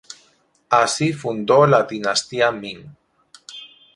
Así fundó la dinastía Ming.